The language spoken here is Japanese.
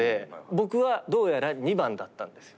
僕はどうやら２番だったんですよ。